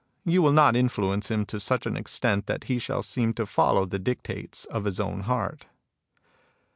You will not influence him to such an extent that he shall seem to follow the dictates of his own heart."